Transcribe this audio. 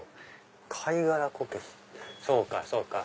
貝殻こけしそうかそうか。